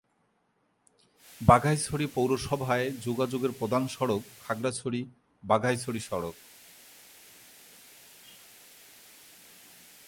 বাঘাইছড়ি পৌরসভায় যোগাযোগের প্রধান সড়ক খাগড়াছড়ি-বাঘাইছড়ি সড়ক।